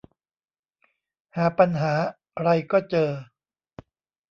หาปัญหาไรก็เจอ